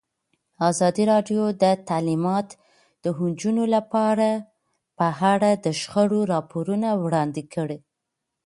ازادي راډیو د تعلیمات د نجونو لپاره په اړه د شخړو راپورونه وړاندې کړي.